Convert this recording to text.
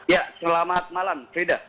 ya selamat malam